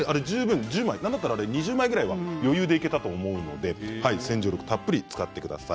１０枚、なんだったら２０枚くらい余裕でいけたと思うので洗浄力、たっぷり使ってください。